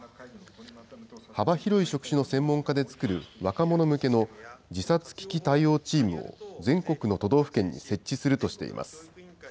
幅広い職種の専門家で作る若者向けの自殺危機対応チームを全国の都道府県に設置するとしています。